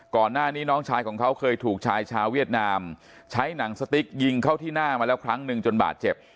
ก่อนหน้านี้น้องชายของเขาเคยถูกชายชาวเวียดนามใช้หนังสติ๊กยิงเข้าที่หน้ามาแล้วครั้งหนึ่งจนบาดเจ็บ